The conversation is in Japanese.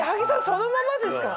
そのままですか？